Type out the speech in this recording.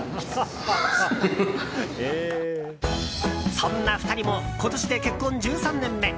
そんな２人も今年で結婚１３年目。